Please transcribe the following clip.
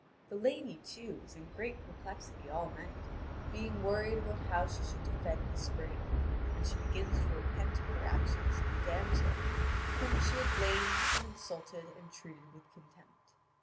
The lady, too, is in great perplexity all night, being worried about how she should defend the spring; and she begins to repent of her action to the damsel, whom she had blamed and insulted and treated with contempt.